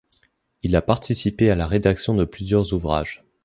Il a participé à la rédaction de plusieurs ouvrages.